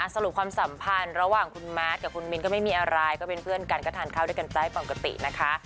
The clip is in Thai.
ความสัมพันธ์ระหว่างคุณมาร์ทกับคุณมิ้นก็ไม่มีอะไรก็เป็นเพื่อนกันก็ทานข้าวด้วยกันได้ปกตินะคะ